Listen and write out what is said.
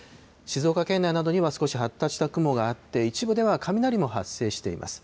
静岡県などには少し発達した雲があって、一部では雷も発生しています。